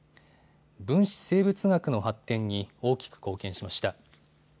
分子生物学の発展に大きく貢献しました。